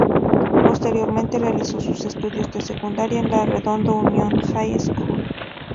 Posteriormente realizó sus estudios de secundaria en la Redondo Union High School.